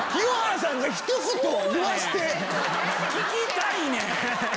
聞きたいねん！